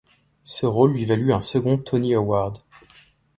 Ce rôle lui valut un second Tony Award.